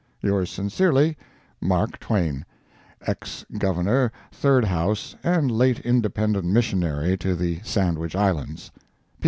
Yours sincerely, MARK TWAIN. Ex Gov. Third House, and late Independent Missionary to the Sandwich Islands.